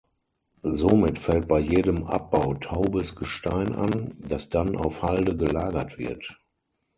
Somit fällt bei jedem Abbau taubes Gestein an, das dann auf Halde gelagert wird.